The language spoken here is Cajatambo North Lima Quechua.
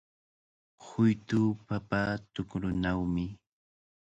Huytu papa tukrunawmi.